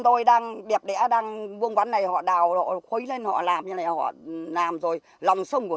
tôi đang đẹp đẽ đang buông bắn này họ đào khuấy lên họ làm như này họ làm rồi lòng sông của